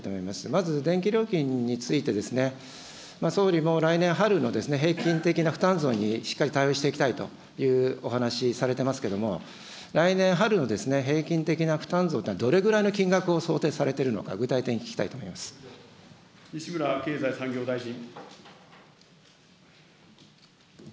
まず電気料金について、総理も来年春の平均的な負担増にしっかり対応していきたいというお話されていますけれども、来年春の平均的な負担増というのは、どれぐらいの金額を想定されているのか、具体的に聞きたいと思い西村経済産業大臣。